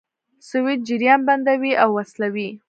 سویچ جریان بندوي او وصلوي.